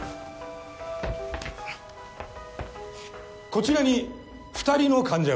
こちらに２人の患者がいます。